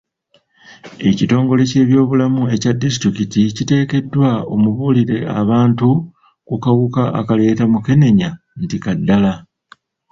Ekitongole ky'ebyobulamu ekya disitulikiti kiteekeddwa omubuulire abantu ku kawuka akaleeta mukenenya nti ka ddala.